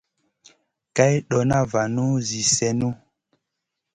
Kay ɗona vanu zi sèhnu.